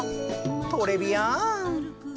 トレビアン。